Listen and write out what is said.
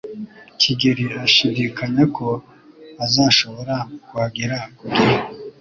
Kigeri ashidikanya ko azashobora kuhagera ku gihe.